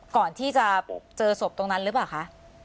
ก่อนที่จะเจอศพตรงนั้นหรือเปล่าคะ